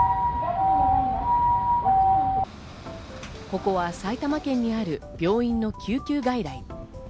ここは埼玉県にある病院の救急外来。